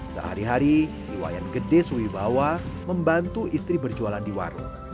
sehari hari wayan gede suwi bawah membantu istri berjualan di warung